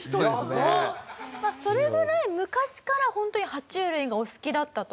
まあそれぐらい昔から本当に爬虫類がお好きだったと。